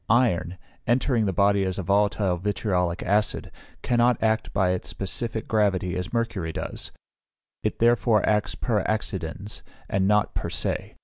Iron, entering the body as a volatile vitriolic acid, cannot act by its specific gravity as mercury does; it therefore acts per accidens, and not per se.